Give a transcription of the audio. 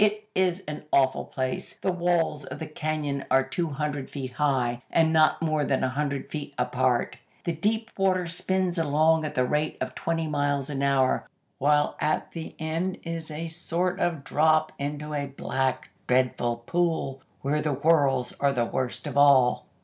It is an awful place. The walls of the cañon are two hundred feet high, and not more than a hundred feet apart. The deep water spins along at the rate of twenty miles an hour, while at the end is a sort of drop into a black, dreadful pool, where the whirls are the worst of all.